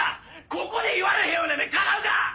ここで言われへんような夢かなうか！